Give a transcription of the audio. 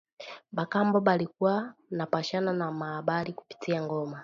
Ba kambo balikuwa napashana ma abari kupitia ngoma